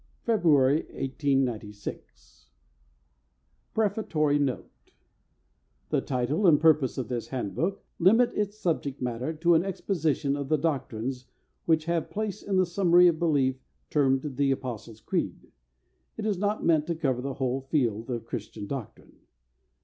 February 1896. PREFATORY NOTE The title and purpose of this Handbook limit its subject matter to an exposition of the doctrines which have place in the summary of belief termed the Apostles' Creed. It is not meant to cover the whole field of Christian doctrine.